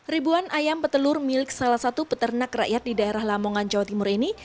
ribuan ayam petelur milik salah satu peternak rakyat di daerah lamongan jawa timur ini